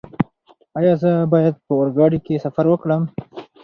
ایا زه باید په اورګاډي کې سفر وکړم؟